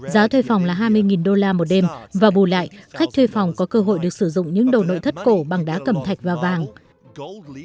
giá thuê phòng là hai mươi đô la một đêm và bù lại khách thuê phòng có cơ hội được sử dụng những đồ nội thất cổ bằng đá cẩm thạch và vàng